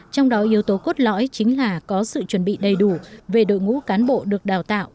trong đó yếu tố cốt lõi chính là có sự chuẩn bị đầy đủ về đội ngũ cán bộ được đào tạo